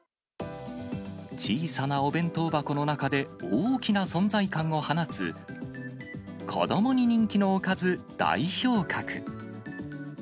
小さなお弁当箱の中で大きな存在感を放つ、子どもに人気のおかず、代表格。